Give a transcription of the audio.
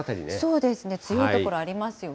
そうですね、強い所ありますよね。